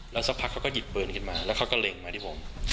แล้วสักพักเขาก็หยิดเปิดขึ้นมาแล้วเขาก็เล่นมาดีหวง